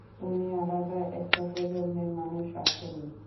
উনি আলাদা একটা প্রজন্মের মানুষ, আসলেই।